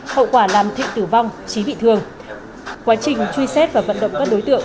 hậu quả làm thịnh tử vong trí bị thương quá trình truy xét và vận động các đối tượng